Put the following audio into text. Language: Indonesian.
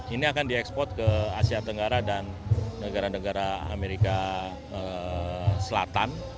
ini akan diekspor ke asia tenggara dan negara negara amerika selatan